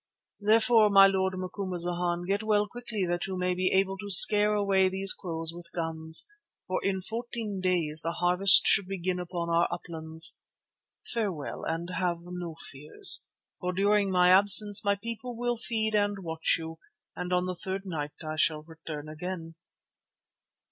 Therefore, my Lord Macumazana, get well quickly that you may be able to scare away these crows with guns, for in fourteen days the harvest should begin upon our uplands. Farewell and have no fears, for during my absence my people will feed and watch you and on the third night I shall return again."